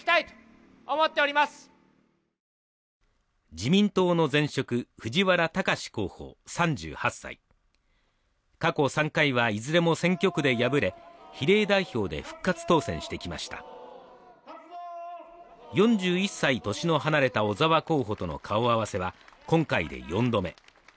自民党の前職藤原崇候補３８歳過去３回はいずれも選挙区で敗れ比例代表で復活当選してきました４１歳年の離れた小沢候補との顔合わせは今回で４度目